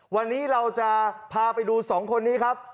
วันนี้เราจะพาไปดูสองคนนี้ครับ